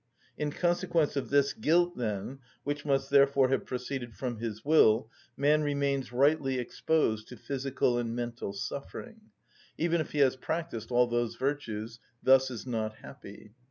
In consequence of this guilt, then, which must therefore have proceeded from his will, man remains rightly exposed to physical and mental suffering, even if he has practised all those virtues, thus is not happy.